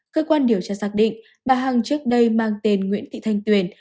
cơ quan điều tra xác định bà hằng trước đây mang tên nguyễn thị thanh tuyền